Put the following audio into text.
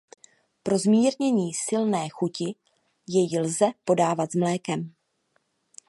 Pro zmírnění silné chuti jej lze podávat s mlékem.